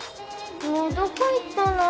もうどこいったの。